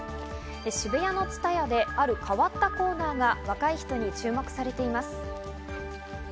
渋谷のＴＳＵＴＡＹＡで、ある変わったコーナーが若い人たちに注目されています。